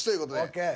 ＯＫ。